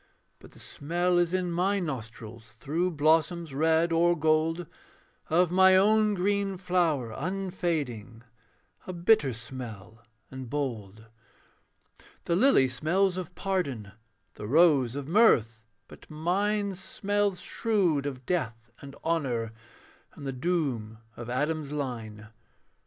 But the smell is in my nostrils, Through blossoms red or gold, Of my own green flower unfading, A bitter smell and bold. The lily smells of pardon, The rose of mirth; but mine Smells shrewd of death and honour, And the doom of Adam's line.